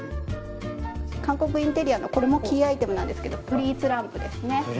韓国インテリアのこれもキーアイテムなんですけどプリーツランプですね。